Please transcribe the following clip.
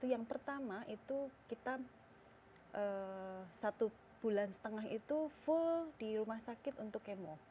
yang pertama itu kita satu bulan setengah itu full di rumah sakit untuk kemo